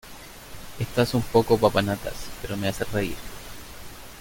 Estás un poco papanatas, pero me haces reír.